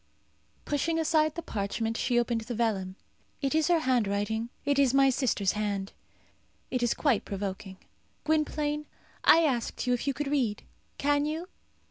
Pushing aside the parchment, she opened the vellum. "It is her handwriting. It is my sister's hand. It is quite provoking. Gwynplaine, I asked you if you could read. Can you?"